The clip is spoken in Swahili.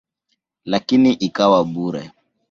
Lakini ikawa bure.